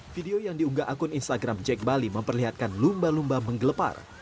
video yang diunggah akun instagram jack bali memperlihatkan lumba lumba menggelepar